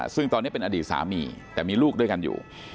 ซึ่งตอนนี้เป็นอดีตสามีแต่มีลูกด้วยกันอยู่